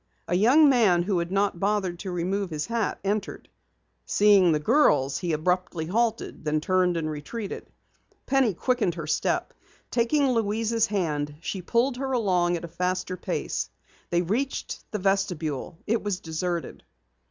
A young man who had not bothered to remove his hat, entered. Seeing the girls, he abruptly halted, then turned and retreated. Penny quickened her step. Taking Louise's hand she pulled her along at a faster pace. They reached the vestibule. It was deserted.